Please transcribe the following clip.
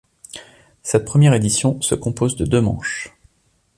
Cette première édition se compose de deux manches.